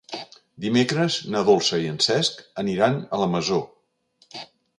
Dimecres na Dolça i en Cesc aniran a la Masó.